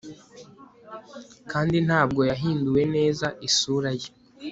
Kandi ntabwo yahinduwe neza Isura ye